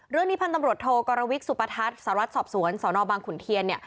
เรื่องนี้พันธุ์ตำรวจโทรกสุปทัศน์สรรวจสอบสวนสบขุนเทียน